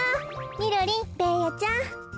みろりんベーヤちゃん。